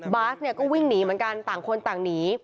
บาสเนี่ยก็วิ่งหนีเหมือนกันต่างคนต่างหนี